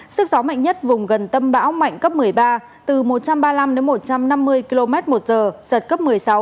sức gió mạnh nhất vùng gần tâm bão mạnh cấp một mươi ba từ một trăm ba mươi năm đến một trăm năm mươi km một giờ giật cấp một mươi sáu